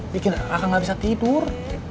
bikin aku gak bisa tidur